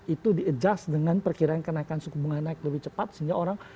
itu di adjust dengan perkiraan kenaikan suku bunga naik lebih cepat sehingga orang